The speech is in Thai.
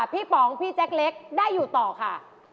ป๋องพี่แจ็คเล็กได้อยู่ต่อค่ะ